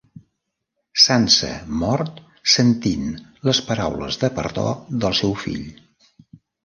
Sança mort sentint les paraules de perdó del seu fill.